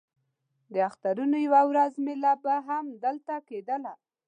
د اخترونو یوه ورځ مېله به هم همدلته کېدله.